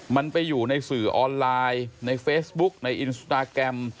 มันไปอยู่ในสื่อออนไลน์ในเฟซบุ๊กในอินสตาแกรม